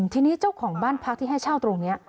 ทีนี้เจ้าของบ้านพักที่ให้เช่าตรงนี้